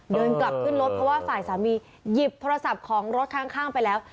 เดินกลับขึ้นรถเพราะว่าฝ่ายสามีหยิบโทรศัพท์ของรถข้างไปแล้ว